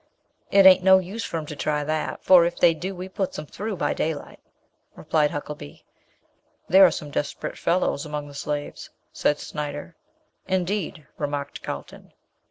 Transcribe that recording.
"It ain't no use for 'em to try that, for if they do, we puts 'em through by daylight," replied Huckelby. "There are some desperate fellows among the slaves," said Snyder. "Indeed," remarked Carlton.